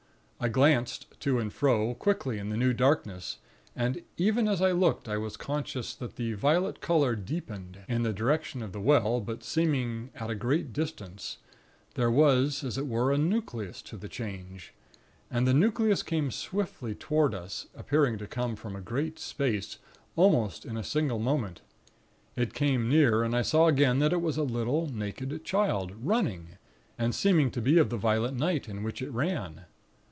I glanced to and fro, quickly, in the new darkness, and even as I looked, I was conscious that the violet color deepened. In the direction of the well, but seeming to be at a great distance, there was, as it were, a nucleus to the change; and the nucleus came swiftly toward us, appearing to come from a great space, almost in a single moment. It came near, and I saw again that it was a little naked Child, running, and seeming to be of the violet night in which it ran.